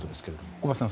小橋さん